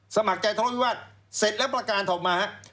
สมัครใจทะเลาวิวาสเสร็จแล้วประการออกมาฮะ